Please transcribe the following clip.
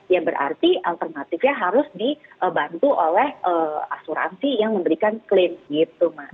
ya berarti alternatifnya harus dibantu oleh asuransi yang memberikan klaim